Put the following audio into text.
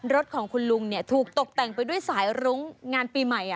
รถของคุณลุงถูกตกแต่งไปด้วยสายรุ้งงานปีใหม่